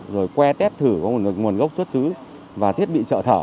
rồi que tét thử có nguồn gốc xuất xứ và thiết bị trợ thở